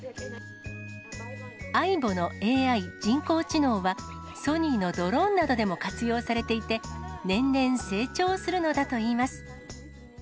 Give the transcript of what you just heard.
ａｉｂｏのＡＩ・人工知能はソニーのドローンなどでも活用されていて、年々成長するのだといいます。